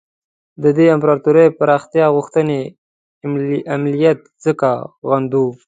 د دې امپراطوري پراختیا غوښتنې عملیات ځکه غندو.